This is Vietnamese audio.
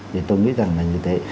thì tôi nghĩ rằng là như thế